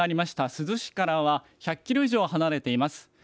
珠洲市からは１００キロ以上、離れています。